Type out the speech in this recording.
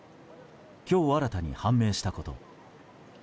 今日新たに判明したこと。